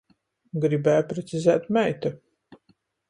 Gribēja precizēt meita.